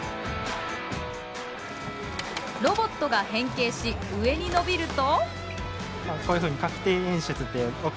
ロボットが変形し上に伸びると。